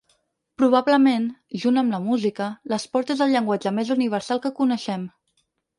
Probablement, junt amb la música, l’esport és el llenguatge més universal que coneixem.